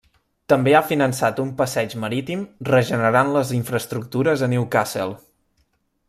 També ha finançat un passeig marítim regenerant les infraestructures a Newcastle.